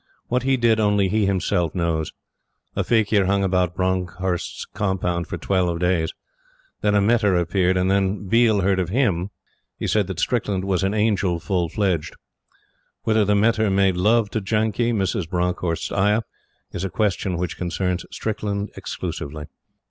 What he did only he himself knows. A faquir hung about Bronckhorst's compound for twelve days. Then a mehter appeared, and when Biel heard of HIM, he said that Strickland was an angel full fledged. Whether the mehter made love to Janki, Mrs. Bronckhorst's ayah, is a question which concerns Strickland exclusively.